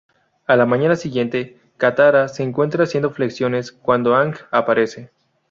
A la mañana siguiente, Katara se encuentra haciendo flexiones cuando Aang aparece.